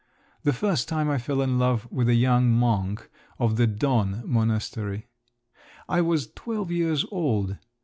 The first time I fell in love with a young monk of the Don monastery. I was twelve years old.